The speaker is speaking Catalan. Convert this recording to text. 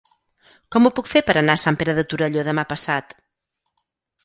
Com ho puc fer per anar a Sant Pere de Torelló demà passat?